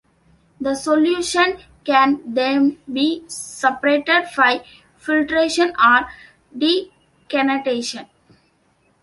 The solution can then be separated by filtration or decantation.